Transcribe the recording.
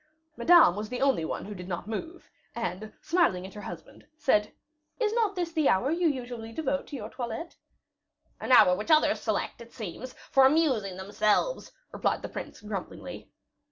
Madame was the only one who did not move, and smiling at her husband, said, "Is not this the hour you usually devote to your toilette?" "An hour which others select, it seems, for amusing themselves," replied the prince, grumblingly.